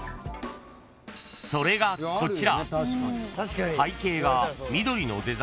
［それがこちら］